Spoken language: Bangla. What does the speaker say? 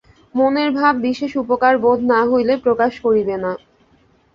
মনের ভাব বিশেষ উপকার বোধ না হইলে প্রকাশ করিবে না।